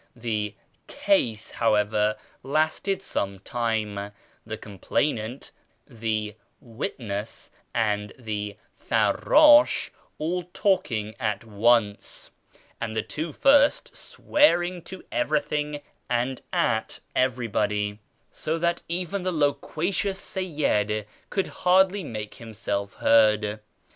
The " case," however, lasted some time, the complainant, the " wit ness," and the farrdsh all talking at once, and the two first swearing to everything and at everybody, so that even the loquacious Seyyid could hardly make himself heard.